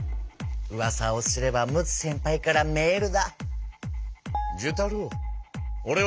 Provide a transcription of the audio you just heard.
うわさをすれば陸奥先輩からメールだ。